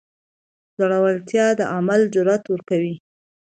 زړورتیا د عمل جرئت ورکوي.